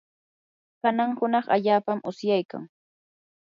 kanan hunaq allaapam usyaykan.